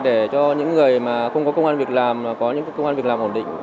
để cho những người mà không có công an việc làm có những công an việc làm ổn định